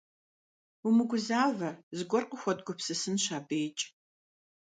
Умыгузавэ, зыгуэр къыхуэдгупсысынщ абыикӏ.